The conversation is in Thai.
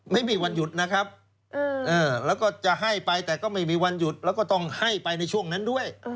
ไม่มีวันหยุดนะครับแล้วก็จะให้ไปแต่ก็ไม่มีวันหยุดแล้วก็ต้องให้ไปในช่วงนั้นด้วย